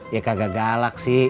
ya kagak galak sih